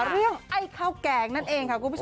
ไอ้ข้าวแกงนั่นเองค่ะคุณผู้ชม